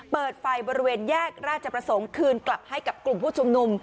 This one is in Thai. เปิดไฟบริเวณแยกราชประสงค์คืนกลับให้กับกลุ่มผู้ชุมนุม